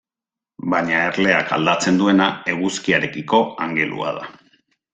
Baina erleak aldatzen duena eguzkiarekiko angelua da.